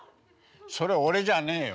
それ俺じゃねえよ。